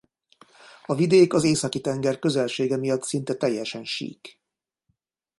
A vidék az Északi-tenger közelsége miatt szinte teljesen sík.